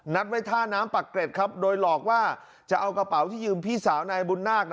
ไว้ท่าน้ำปักเกร็ดครับโดยหลอกว่าจะเอากระเป๋าที่ยืมพี่สาวนายบุญนาค